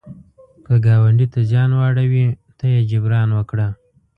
که ګاونډي ته زیان واړوي، ته یې جبران وکړه